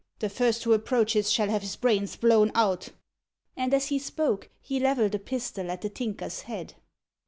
The first who approaches shall have his brains blown out." And as he spoke, he levelled a pistol at the Tinker's head.